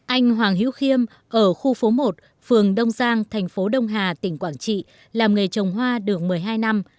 anh hoàng hữu khiêm ở khu phố một phường đông giang thành phố đông hà tỉnh quảng trị làm nghề trồng hoa được một mươi hai năm